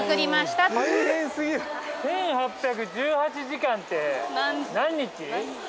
◆１８１８時間って何日？